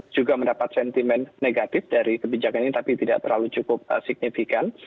juga mendapat sentimen negatif dari kebijakan ini tapi tidak terlalu cukup signifikan